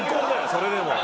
それでも。